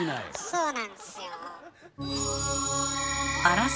そうなんですよ。